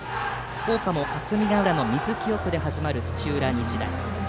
校歌も霞ヶ浦の水清くで始まる土浦日大。